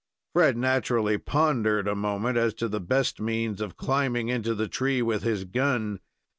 Fred naturally pondered a moment as to the best means of climbing into the tree with his gun.